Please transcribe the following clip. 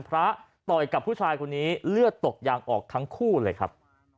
ต่อยกับผู้ชายคนนี้เลือดตกยางออกทั้งคู่เลยครับ